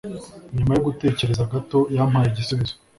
Nyuma yo gutekereza gato, yampaye igisubizo.